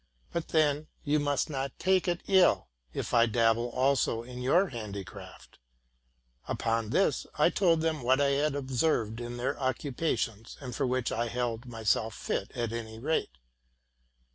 But then, you must not take it ill if TI dabble also in your handicraft.'' Upon this, I told them what I had observed in their occupations, and for which 1 held myself fit at any rate.